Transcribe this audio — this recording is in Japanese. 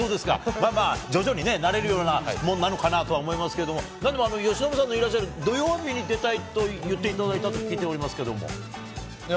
まあまあ、徐々にね、慣れるようなものなのかなとは思いますけれども、なんでも、由伸さんのいらっしゃる土曜日に出たいと言っていただいたと聞いいや